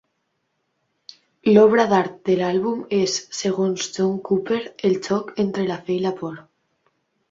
L'obra d'art de l'àlbum és, segons John Cooper, el xoc entre la fe i la por.